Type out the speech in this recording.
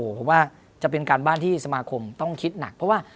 ผมว่าจะเป็นการบ้านที่สมาคมต้องคิดหนักเพราะว่า